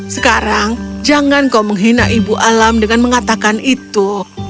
sekarang jangan kau menghina ibu alam dengan mengatakan itu